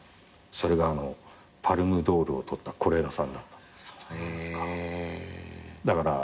それがパルムドールを取った是枝さんだった。